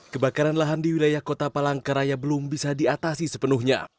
kebakaran lahan di wilayah kota palangkaraya belum bisa diatasi sepenuhnya